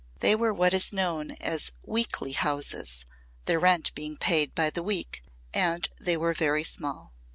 They were what is known as "weekly" houses, their rent being paid by the week and they were very small.